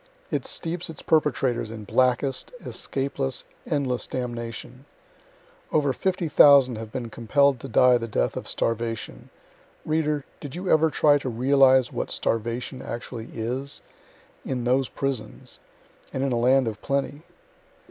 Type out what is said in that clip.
It steeps its perpetrators in blackest, escapeless, endless damnation. Over 50,000 have been compell' d to die the death of starvation reader, did you ever try to realize what starvation actually is? in those prisons and in a land of plenty.)